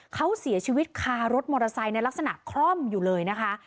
เขาเสียชีวิตคารถมอเตอร์ไซค์ในลักษณะคล่อมอยู่เลยนะคะ